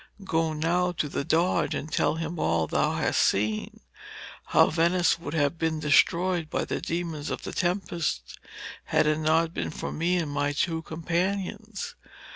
Go now to the Doge and tell him all thou hast seen; how Venice would have been destroyed by the demons of the tempest, had it not been for me and my two companions.